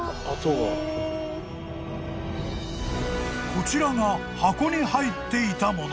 ［こちらが箱に入っていたもの］